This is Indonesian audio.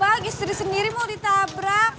eh apa gisri sendiri mau ditabrak